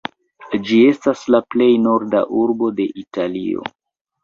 Ĝi estas la plej norda urbo de Italio.